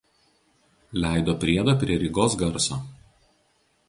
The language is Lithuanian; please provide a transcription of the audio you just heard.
Leido „Priedą prie Rygos garso“.